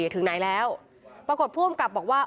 ถึงไหนแล้วปรากฏผู้อำกับบอกว่า